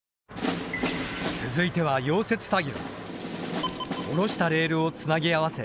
続いては溶接作業。